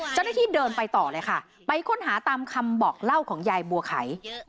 เจ้าหน้าที่เดินไปต่อเลยค่ะไปค้นหาตามคำบอกเล่าของยายบัวไข่